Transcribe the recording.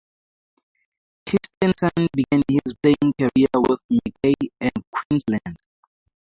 Christensen began his playing career with Mackay in Queensland.